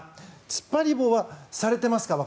突っ張り棒はされていますか？